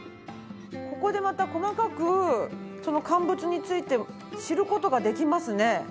ここでまた細かく乾物について知る事ができますね。